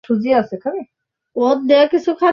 বর্তমান শহরটি সুং রাজবংশ থেকে এসেছে।